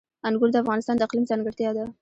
انګور د افغانستان د اقلیم ځانګړتیا ده.